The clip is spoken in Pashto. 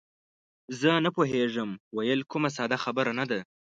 زه نه پوهېږم ویل، کومه ساده خبره نه ده.